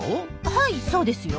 はいそうですよ。